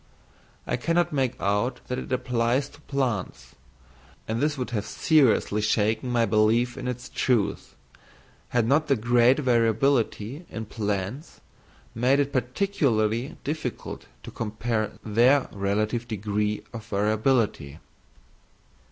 I cannot make out that it applies to plants, and this would have seriously shaken my belief in its truth, had not the great variability in plants made it particularly difficult to compare their relative degrees of variability.